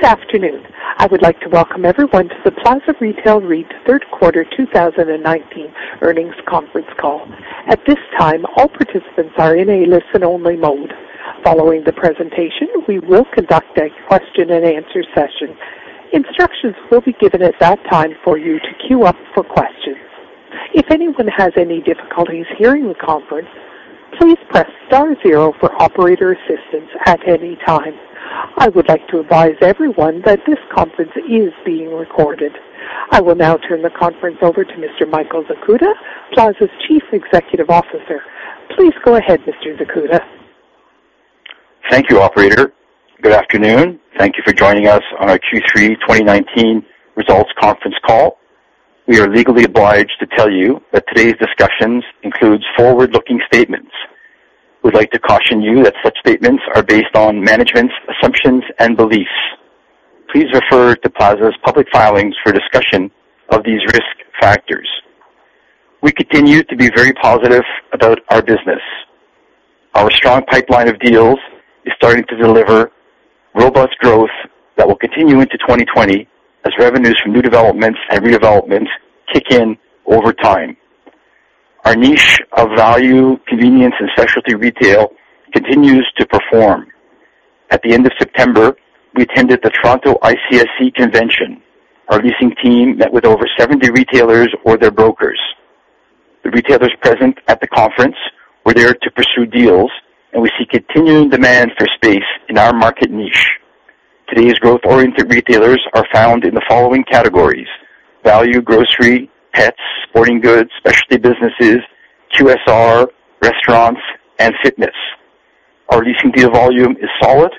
Good afternoon. I would like to welcome everyone to the Plaza Retail REIT Third Quarter 2019 Earnings Conference Call. At this time, all participants are in a listen-only mode. Following the presentation, we will conduct a question and answer session. Instructions will be given at that time for you to queue up for questions. If anyone has any difficulties hearing the conference, please press star zero for operator assistance at any time. I would like to advise everyone that this conference is being recorded. I will now turn the conference over to Mr. Michael Zakuta, Plaza's Chief Executive Officer. Please go ahead, Mr. Zakuta. Thank you, operator. Good afternoon. Thank you for joining us on our Q3 2019 results conference call. We are legally obliged to tell you that today's discussions includes forward-looking statements. We'd like to caution you that such statements are based on management's assumptions and beliefs. Please refer to Plaza's public filings for a discussion of these risk factors. We continue to be very positive about our business. Our strong pipeline of deals is starting to deliver robust growth that will continue into 2020 as revenues from new developments and redevelopments kick in over time. Our niche of value, convenience, and specialty retail continues to perform. At the end of September, we attended the Toronto ICSC convention. Our leasing team met with over 70 retailers or their brokers. The retailers present at the conference were there to pursue deals, and we see continuing demand for space in our market niche. Today's growth-oriented retailers are found in the following categories: value, grocery, pets, sporting goods, specialty businesses, QSR, restaurants, and fitness. Our leasing deal volume is solid,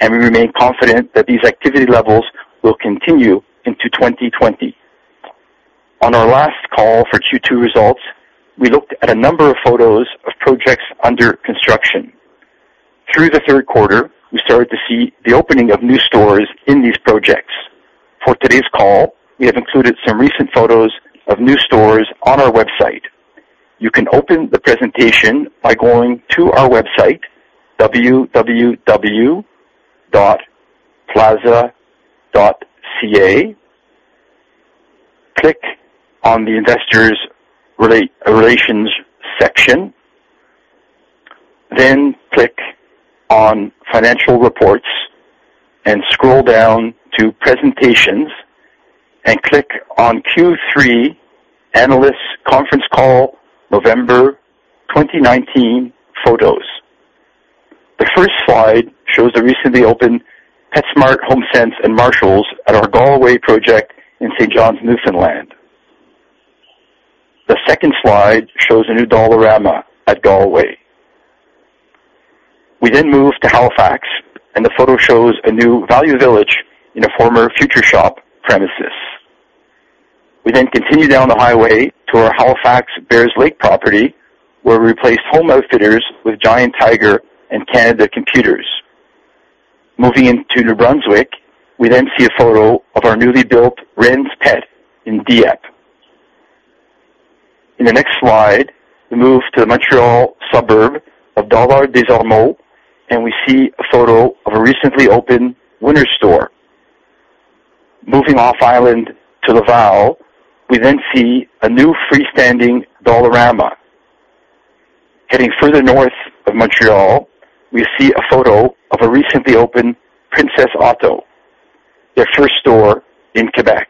and we remain confident that these activity levels will continue into 2020. On our last call for Q2 results, we looked at a number of photos of projects under construction. Through the third quarter, we started to see the opening of new stores in these projects. For today's call, we have included some recent photos of new stores on our website. You can open the presentation by going to our website, www.plaza.ca. Click on the Investors' Relations section, then click on Financial Reports, and scroll down to Presentations, and click on Q3 Analyst Conference Call November 2019 Photos. The first slide shows the recently opened PetSmart, HomeSense, and Marshalls at our Galway project in St. John's, Newfoundland. The second slide shows a new Dollarama at Galway. We move to Halifax, and the photo shows a new Value Village in a former Future Shop premises. We continue down the highway to our Halifax Bayers Lake property, where we replaced Home Outfitters with Giant Tiger and Canada Computers. Moving into New Brunswick, we then see a photo of our newly built Ren's Pets in Dieppe. In the next slide, we move to the Montreal suburb of Dollard-des-Ormeaux, and we see a photo of a recently opened Winners store. Moving off island to Laval, we then see a new freestanding Dollarama. Heading further north of Montreal, we see a photo of a recently opened Princess Auto, their first store in Quebec.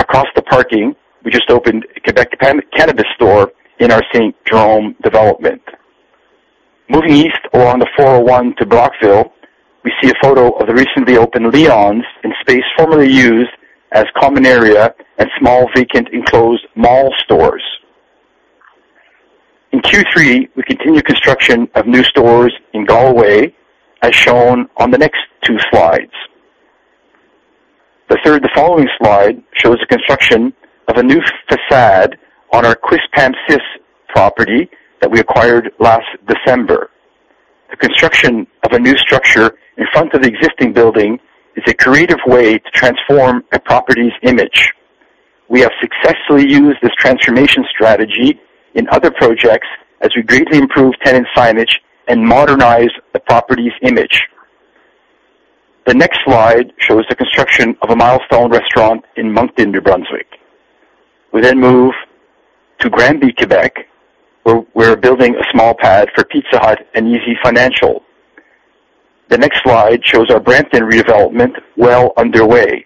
Across the parking, we just opened a Quebec cannabis store in our Saint-Jérôme development. Moving east along the 401 to Brockville, we see a photo of the recently opened Leon's in space formerly used as common area and small vacant enclosed mall stores. In Q3, we continued construction of new stores in Galway, as shown on the next two slides. The following slide shows the construction of a new façade on our Crispins property that we acquired last December. The construction of a new structure in front of the existing building is a creative way to transform a property's image. We have successfully used this transformation strategy in other projects as we greatly improve tenant signage and modernize the property's image. The next slide shows the construction of a Milestones restaurant in Moncton, New Brunswick. We move to Granby, Quebec, where we're building a small pad for Pizza Hut and easyfinancial. The next slide shows our Brampton redevelopment well underway.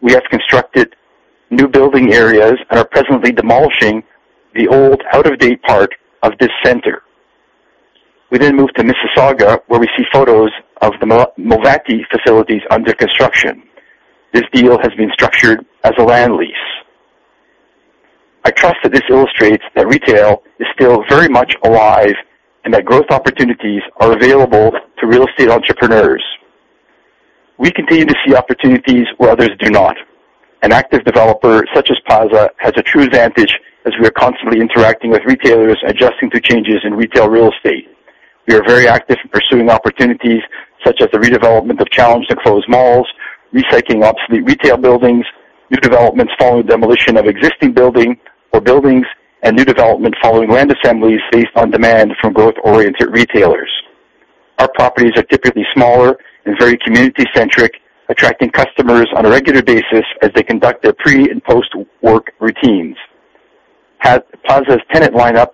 We have constructed new building areas and are presently demolishing the old, out-of-date part of this center. We move to Mississauga, where we see photos of the MOVATI facilities under construction. This deal has been structured as a land lease. I trust that this illustrates that retail is still very much alive and that growth opportunities are available to real estate entrepreneurs. We continue to see opportunities where others do not. An active developer such as Plaza has a true advantage as we are constantly interacting with retailers, adjusting to changes in retail real estate. We are very active in pursuing opportunities such as the redevelopment of challenged, enclosed malls, recycling obsolete retail buildings. New developments following demolition of existing building or buildings and new development following land assemblies based on demand from growth-oriented retailers. Our properties are typically smaller and very community-centric, attracting customers on a regular basis as they conduct their pre- and post-work routines. Plaza's tenant lineup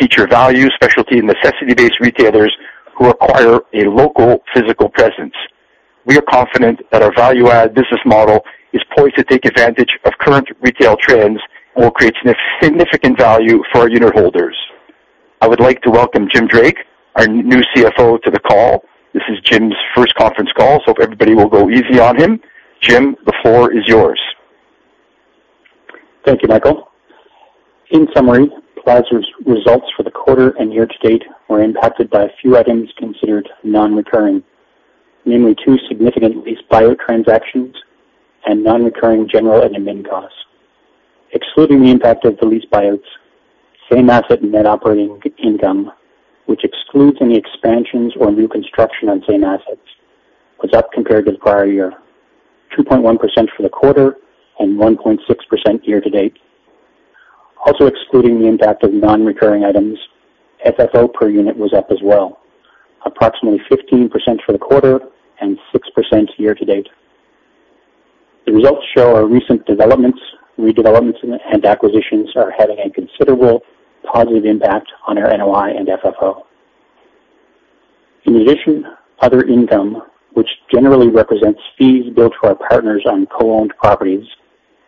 feature value, specialty, and necessity-based retailers who require a local physical presence. We are confident that our value-add business model is poised to take advantage of current retail trends and will create significant value for our unitholders. I would like to welcome Jim Drake, our new CFO, to the call. If everybody will go easy on him. Jim, the floor is yours. Thank you, Michael. In summary, Plaza's results for the quarter and year-to-date were impacted by a few items considered non-recurring. Namely, two significant lease buyout transactions and non-recurring general and admin costs. Excluding the impact of the lease buyouts, same asset net operating income, which excludes any expansions or new construction on same assets, was up compared to the prior year, 2.1% for the quarter and 1.6% year-to-date. Also excluding the impact of non-recurring items, FFO per unit was up as well, approximately 15% for the quarter and 6% year-to-date. The results show our recent developments, redevelopments, and acquisitions are having a considerable positive impact on our NOI and FFO. In addition, other income, which generally represents fees billed to our partners on co-owned properties,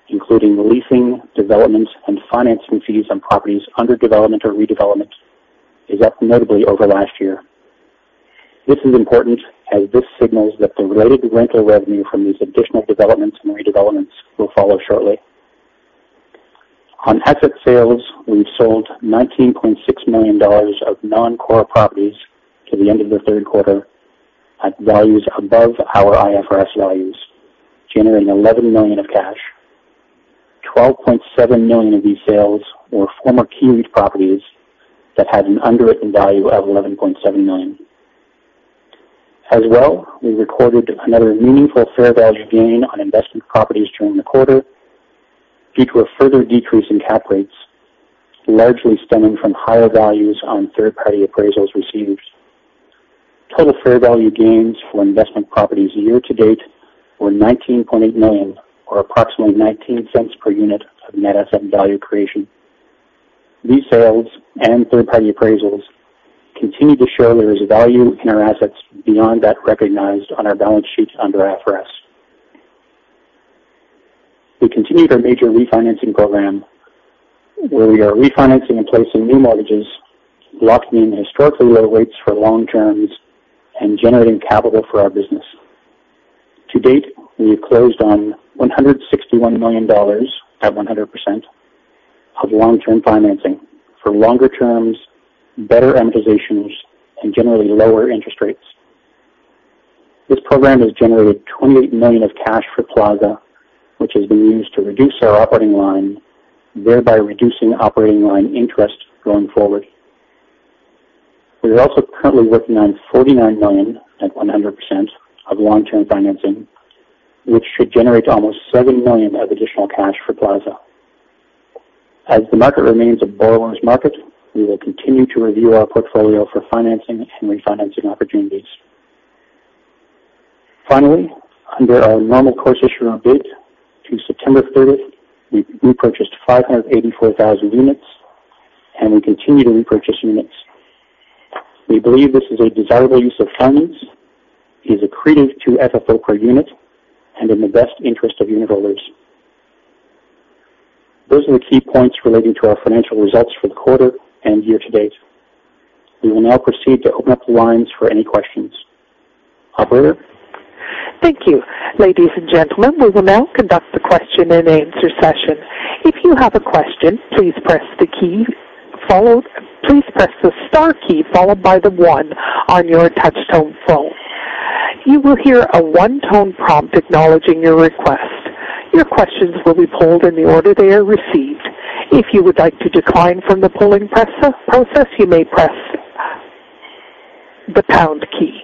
including leasing, developments, and financing fees on properties under development or redevelopment, is up notably over last year. This is important as this signals that the related rental revenue from these additional developments and redevelopments will follow shortly. On asset sales, we sold 19.6 million dollars of non-core properties to the end of the third quarter at values above our IFRS values, generating 11 million of cash. 12.7 million of these sales were former KEYreit properties that had an underwritten value of 11.7 million. We recorded another meaningful fair value gain on investment properties during the quarter due to a further decrease in cap rates, largely stemming from higher values on third-party appraisals received. Total fair value gains for investment properties year-to-date were 19.8 million or approximately 0.19 per unit of net asset value creation. These sales and third-party appraisals continue to show there is value in our assets beyond that recognized on our balance sheets under IFRS. We continue our major refinancing program where we are refinancing and placing new mortgages, locking in historically low rates for long terms, and generating capital for our business. To date, we have closed on 161 million dollars at 100% of long-term financing for longer terms, better amortizations, and generally lower interest rates. This program has generated 28 million of cash for Plaza, which has been used to reduce our operating line, thereby reducing operating line interest going forward. We are also currently working on 49 million at 100% of long-term financing, which should generate almost 7 million of additional cash for Plaza. As the market remains a borrower's market, we will continue to review our portfolio for financing and refinancing opportunities. Finally, under our normal course issuer bid through September 30th, we repurchased 584,000 units and we continue to repurchase units. We believe this is a desirable use of funds, is accretive to FFO per unit, and in the best interest of unitholders. Those are the key points relating to our financial results for the quarter and year-to-date. We will now proceed to open up the lines for any questions. Operator? Thank you. Ladies and gentlemen, we will now conduct the question-and-answer session. If you have a question, please press the star key followed by the one on your touch-tone phone. You will hear a one-tone prompt acknowledging your request. Your questions will be pulled in the order they are received. If you would like to decline from the pulling process, you may press the pound key.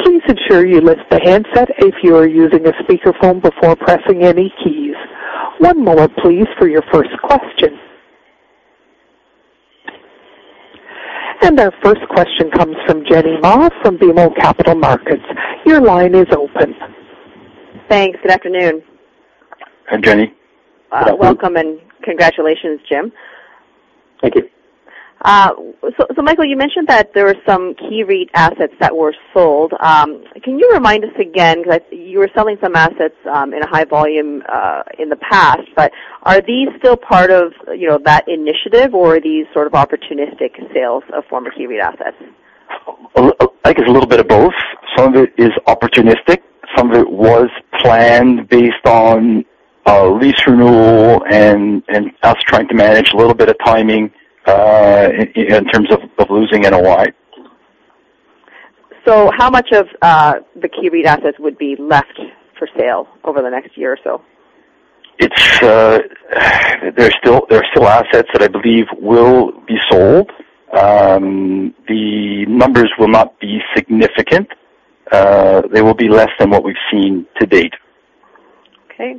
Please ensure you lift the handset if you are using a speakerphone before pressing any keys. One moment, please, for your first question. Our first question comes from Jenny Ma from BMO Capital Markets. Your line is open. Thanks. Good afternoon. Hi, Jenny. Welcome, and congratulations, Jim. Thank you. Michael, you mentioned that there were some KEYreit assets that were sold. Can you remind us again, because you were selling some assets in a high volume in the past, but are these still part of that initiative, or are these sort of opportunistic sales of former KEYreit assets? I think it's a little bit of both. Some of it is opportunistic. Some of it was planned based on a lease renewal and us trying to manage a little bit of timing in terms of losing NOI. How much of the KEYreit assets would be left for sale over the next year or so? There are still assets that I believe will be sold. The numbers will not be significant. They will be less than what we've seen to date. Okay.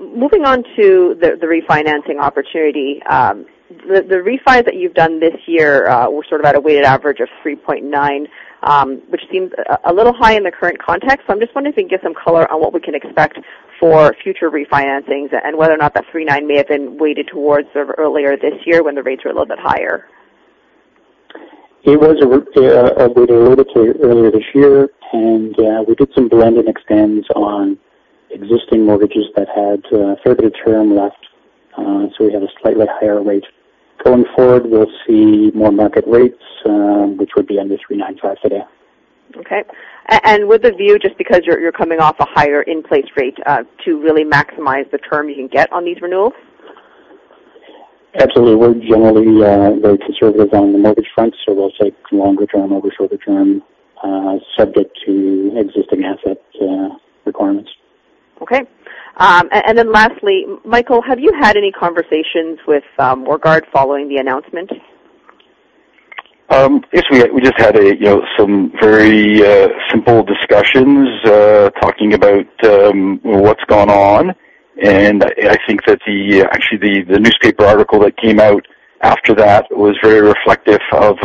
Moving on to the refinancing opportunity. The refi that you've done this year was at a weighted average of 3.9, which seems a little high in the current context. I'm just wondering if you can give some color on what we can expect for future refinancings and whether or not that 3.9 may have been weighted towards the earlier this year when the rates were a little bit higher. It was weighted a little bit earlier this year. We did some blend and extends on existing mortgages that had a third of the term left. We had a slightly higher rate. Going forward, we'll see more market rates, which would be under 3.95 today. Okay. With a view, just because you're coming off a higher in-place rate, to really maximize the term you can get on these renewals? Absolutely. We're generally very conservative on the mortgage front, so we'll take longer term over shorter term, subject to existing asset requirements. Okay. Then lastly, Michael, have you had any conversations with Morguard following the announcement? Yes, we just had some very simple discussions, talking about what's gone on. I think that actually the newspaper article that came out after that was very reflective of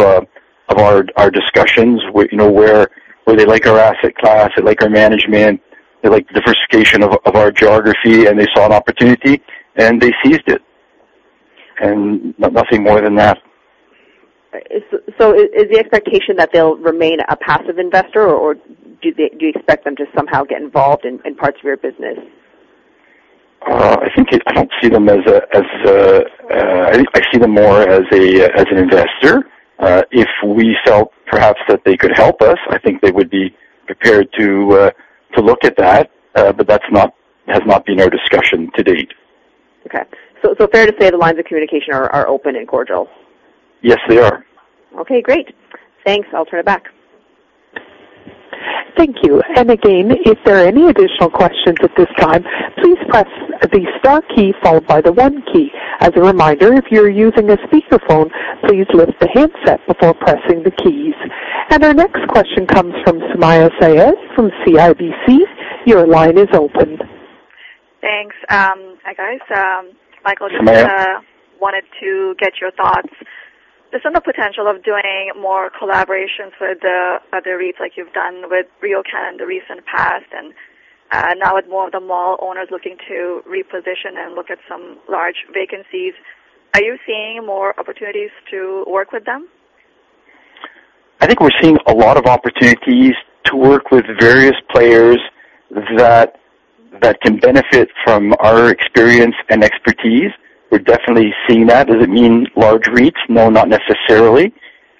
our discussions, where they like our asset class, they like our management, they like the diversification of our geography, and they saw an opportunity, and they seized it. Nothing more than that. Is the expectation that they'll remain a passive investor or do you expect them to somehow get involved in parts of your business? I think I see them more as an investor. If we felt perhaps that they could help us, I think they would be prepared to look at that. That has not been our discussion to date. Okay. Fair to say the lines of communication are open and cordial? Yes, they are. Okay, great. Thanks. I'll turn it back. Thank you. Again, if there are any additional questions at this time, please press the star key followed by the one key. As a reminder, if you're using a speakerphone, please lift the handset before pressing the keys. Our next question comes from Sumayya Syed from CIBC. Your line is open. Thanks. Hi, guys. Sumayya. Michael, just wanted to get your thoughts. Based on the potential of doing more collaborations with other REITs like you've done with RioCan in the recent past, and now with more of the mall owners looking to reposition and look at some large vacancies, are you seeing more opportunities to work with them? I think we're seeing a lot of opportunities to work with various players that can benefit from our experience and expertise. We're definitely seeing that. Does it mean large REITs? No, not necessarily.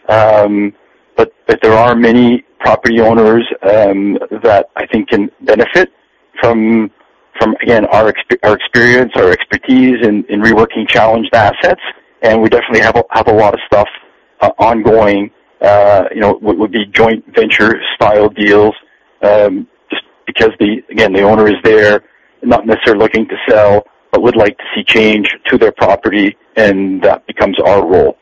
There are many property owners that I think can benefit from, again, our experience, our expertise in reworking challenged assets. We definitely have a lot of stuff ongoing, what would be joint venture-style deals. Just because, again, the owner is there, not necessarily looking to sell, but would like to see change to their property, and that becomes our role.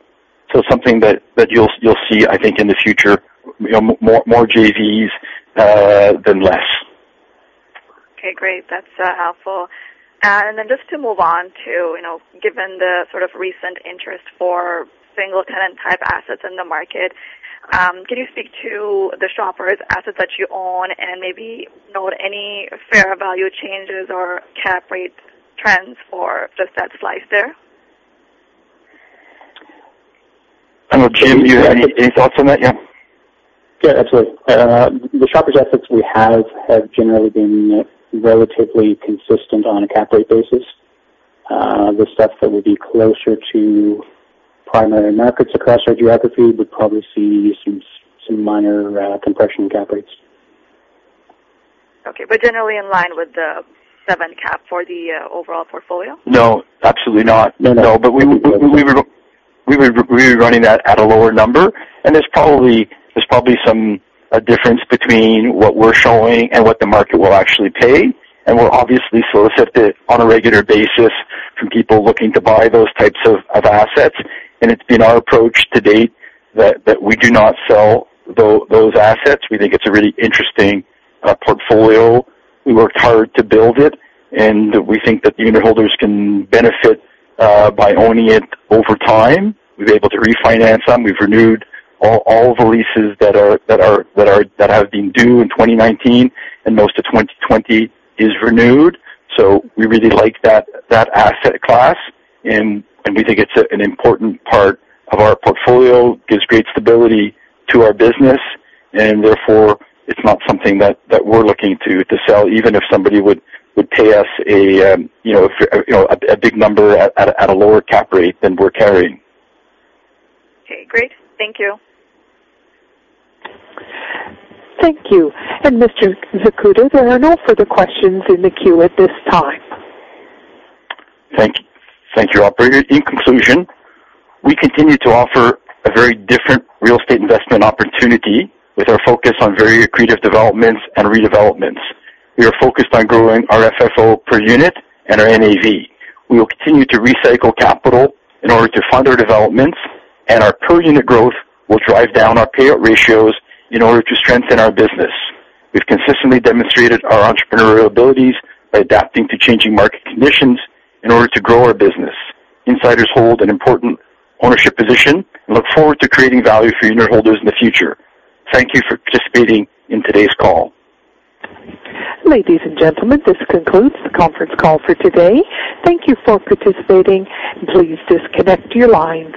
Something that you'll see, I think, in the future, more JVs than less. Okay, great. That's helpful. Just to move on to, given the sort of recent interest for single-tenant type assets in the market, can you speak to the Shoppers assets that you own and maybe note any fair value changes or cap rate trends for just that slice there? I don't know, Jim, you have any thoughts on that? Yeah. Yeah, absolutely. The Shoppers assets we have generally been relatively consistent on a cap rate basis. The stuff that would be closer to primary markets across our geography would probably see some minor compression in cap rates. Okay. generally in line with the seven cap for the overall portfolio? No, absolutely not. No. No, we were running that at a lower number, and there's probably some difference between what we're showing and what the market will actually pay. We're obviously solicited on a regular basis from people looking to buy those types of assets. It's been our approach to date that we do not sell those assets. We think it's a really interesting portfolio. We worked hard to build it, and we think that the unitholders can benefit by owning it over time. We've been able to refinance some. We've renewed all the leases that have been due in 2019, and most of 2020 is renewed. We really like that asset class, and we think it's an important part of our portfolio. Gives great stability to our business, and therefore, it's not something that we're looking to sell, even if somebody would pay us a big number at a lower cap rate than we're carrying. Okay, great. Thank you. Thank you. Mr. Zakuta, there are no further questions in the queue at this time. Thank you, operator. In conclusion, we continue to offer a very different real estate investment opportunity with our focus on very accretive developments and redevelopments. We are focused on growing our FFO per unit and our NAV. We will continue to recycle capital in order to fund our developments, and our per-unit growth will drive down our payout ratios in order to strengthen our business. We've consistently demonstrated our entrepreneurial abilities by adapting to changing market conditions in order to grow our business. Insiders hold an important ownership position and look forward to creating value for unitholders in the future. Thank you for participating in today's call. Ladies and gentlemen, this concludes the conference call for today. Thank you for participating. Please disconnect your lines.